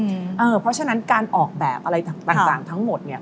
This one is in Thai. เพราะฉะนั้นการออกแบบอะไรต่างทั้งหมดเนี่ย